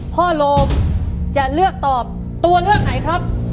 โลมจะเลือกตอบตัวเลือกไหนครับ